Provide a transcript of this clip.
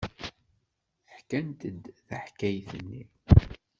Ḥkant-d taḥkayt-nni.